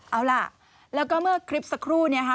เอาล่ะแล้วก็เมื่อคลิปสักครู่เนี่ยค่ะ